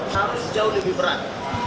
harus jauh lebih berat